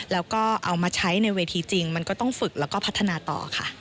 แล้วก็เอามาใช้ในเวทีจริงมันก็ต้องฝึกแล้วก็พัฒนาต่อค่ะ